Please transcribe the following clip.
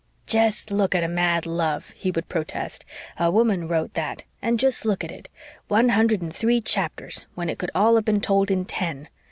"Jest look at A Mad Love," he would protest. "A woman wrote that and jest look at it one hundred and three chapters when it could all have been told in ten.